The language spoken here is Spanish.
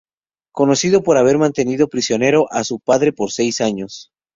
Conocido por haber mantenido prisionero a su padre por seis años.